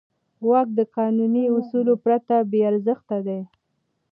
واک د قانوني اصولو پرته بېارزښته دی.